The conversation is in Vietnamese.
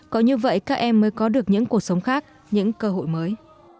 có như vậy các em mới có được những cuộc sống khác những cơ hội mới